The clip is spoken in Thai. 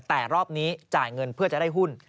แต่รอบนี้จ่ายเงินเพื่อจะได้หุ้น